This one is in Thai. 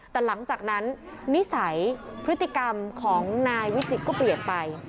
แต่หลังจากนั้นนิสัยพฤติกรรมของนายวิจิตก็เปลี่ยนไป